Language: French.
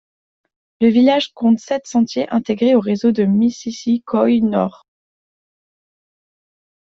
Le village compte sept sentiers intégrés au réseau de Missisquoi-Nord.